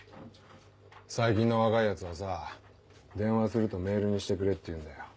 最近の若いヤツはさ電話すると「メールにしてくれ」って言うんだよ。